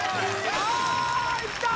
あいった！